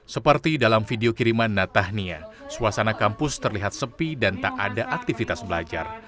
seperti dalam video kiriman natahnia suasana kampus terlihat sepi dan tak ada aktivitas belajar